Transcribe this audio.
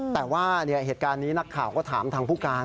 แต่ว่าเหตุการณ์นี้นักข่าวก็ถามทางผู้การ